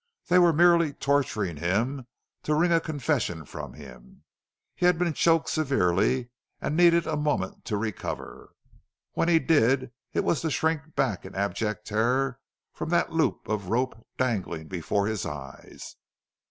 They were merely torturing him to wring a confession from him. He had been choked severely and needed a moment to recover. When he did it was to shrink back in abject terror from that loop of rope dangling before his eyes.